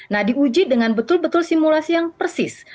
nah di uji dengan betul betul simulasi yang persis